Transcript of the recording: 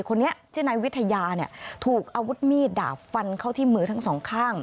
คนนี้ชื่อนายวิทยาเนี่ยถูกอาวุธมีดดาบฟันเข้าที่มือทั้งสองข้าง